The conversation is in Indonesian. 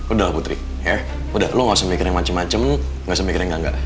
udah lah putri ya udah lo gak usah mikirin macem macem gak usah mikirin enggak enggak